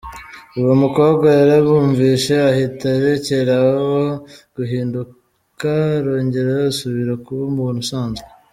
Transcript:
Uwo mukobwa yarabumvishe ahita arekereho guhinduka arongera asubira kuba umuntu usanzwe.